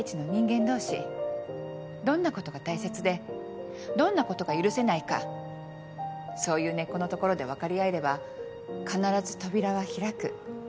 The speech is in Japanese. どんなことが大切でどんなことが許せないかそういう根っこのところで分かり合えれば必ず扉は開く。